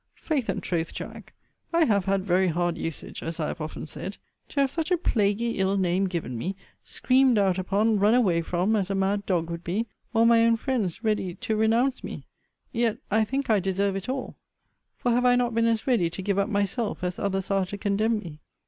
Faith and troth, Jack, I have had very hard usage, as I have often said: to have such a plaguy ill name given me, screamed out upon, run away from, as a mad dog would be; all my own friends ready to renounce me! Yet I think I deserve it all; for have I not been as ready to give up myself, as others are to condemn me?